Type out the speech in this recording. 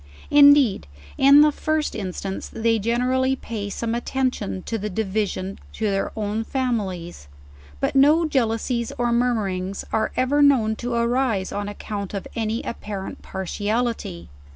Indeed, in the first instance they generally pay some attention in the division to their own families; but no jeal ousies or murmurings are ever known to arise on account of any apparent partiality.